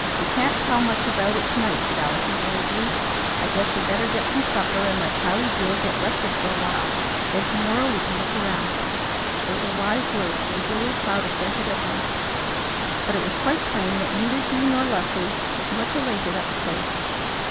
"We can't tell much about it to night," said Allison gravely. "I guess we better get some supper and let Cloudy Jewel get rested for a while. Then to morrow we can look around." They were wise words, and Julia Cloud assented at once; but it was quite plain that neither he nor Leslie was much elated at the place.